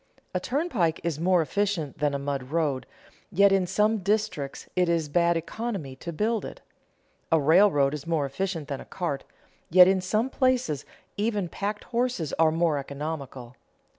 A turnpike is more efficient than a mud road, yet in some districts it is bad economy to build it. A railroad is more efficient than a cart, yet in some places even pack horses are more economical.